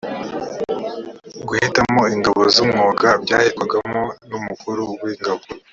guhitamo ingabo z’umwuga byakorwaga n’umukuru w’ingabo